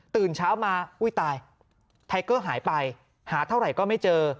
ตื่นเช้ามาอุ้ยตายไทเกอร์หายไปหาเท่าไหร่ก็ไม่เจอ